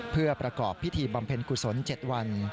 เพื่อประกอบพิธีบำเพ็ญกุศล๗วัน